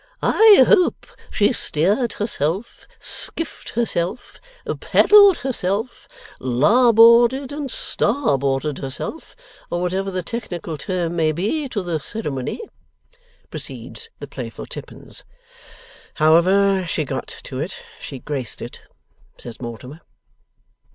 'I hope she steered herself, skiffed herself, paddled herself, larboarded and starboarded herself, or whatever the technical term may be, to the ceremony?' proceeds the playful Tippins. 'However she got to it, she graced it,' says Mortimer.